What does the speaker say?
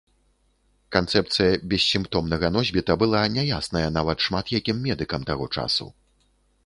Канцэпцыя бессімптомнага носьбіта была няясная нават шмат якім медыкам таго часу.